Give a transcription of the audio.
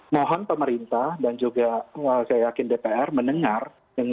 mohon pemerintah dan juga saya yakin dpr mendengar